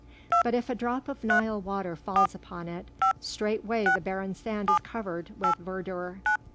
But if a drop of Nile water falls upon it, straightway the barren sand is covered with verdure.